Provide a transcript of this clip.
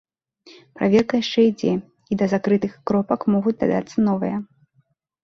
Праверка яшчэ ідзе, і да закрытых кропак могуць дадацца новыя.